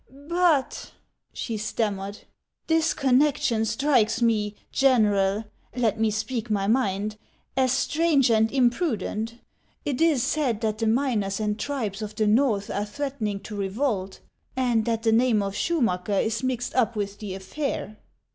" But," she stammered, " this connection strikes me, General, — let me speak my mind, — as strange and im prudent. It is said that the miners and tribes of the Xorth are threatening to revolt, and that the name of Schumacker is mixed up with the affair."